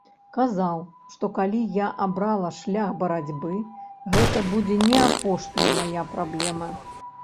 Казаў, што калі я абрала шлях барацьбы, гэта будзе не апошняя мая праблема.